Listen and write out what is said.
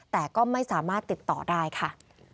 แต่ก็ไม่สามารถติดต่อได้ค่ะ